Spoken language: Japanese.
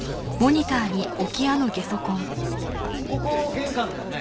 ここ玄関だよね？